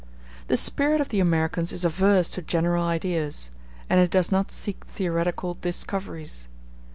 The spirit of the Americans is averse to general ideas; and it does not seek theoretical discoveries.